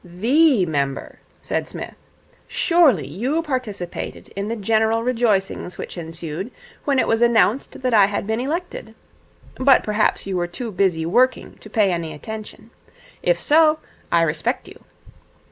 'The member,' said Psmith. 'Surely you participated in the general rejoicings which ensued when it was announced that I had been elected? But perhaps you were too busy working to pay any attention. If so, I respect you.